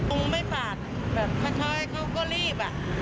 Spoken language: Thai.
ลงไม่ปาดแบบเฉยให้เขาก็รีบ